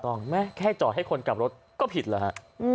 ต้องไหมแค่จอดให้คนกลับรถก็ผิดเหรอฮะ